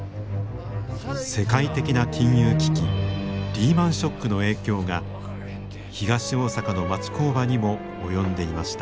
世界的な金融危機リーマンショックの影響が東大阪の町工場にも及んでいました。